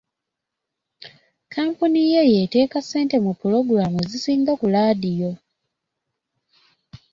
Kkampuni ye y'eteeka ssente mu pulogulamu ezisinga ku laadiyo.